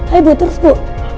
ayo ibu terus ibu